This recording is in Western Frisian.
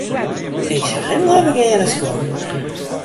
Ik sjoch him leaver gean as kommen.